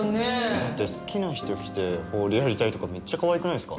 だって好きな人来てホールやりたいとかめっちゃかわいくないっすか？